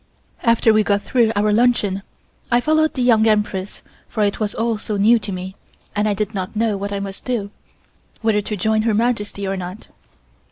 After we got through our luncheon, I followed the Young Empress, for it was all so new to me, and I did not know what I must do whether to join Her Majesty or not.